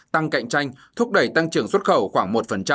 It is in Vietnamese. tăng cạnh tranh thúc đẩy tăng trưởng xuất khẩu khoảng một